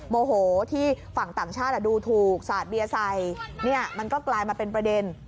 โมโหที่ฝั่งต่างชาติดูถูกสาดเบียร์ใส่เนี่ยมันก็กลายมาเป็นประเด็น